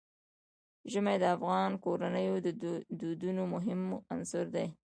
ژمی د افغان کورنیو د دودونو مهم عنصر دی.